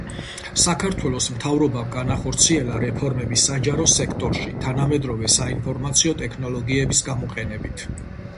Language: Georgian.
საქართველოს მთავრობამ განახორციელა რეფორმები საჯარო სექტორში თანამედროვე საინფორმაციო ტექნოლოგიების გამოყენებით.